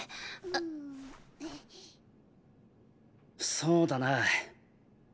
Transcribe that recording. そうだな